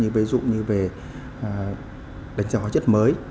ví dụ như về đánh giá hóa chất mới